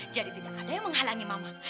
jadi tidak ada yang menghalangi mama